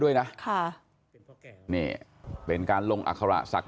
ด้วยนะอ่ะไม่การลงอักษระศักดิ์ย